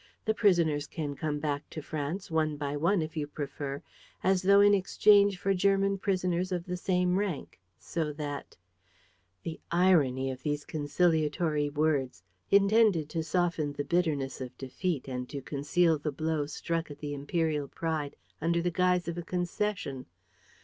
The prisoners can come back to France, one by one, if you prefer, as though in exchange for German prisoners of the same rank ... so that ..." The irony of these conciliatory words, intended to soften the bitterness of defeat and to conceal the blow struck at the imperial pride under the guise of a concession!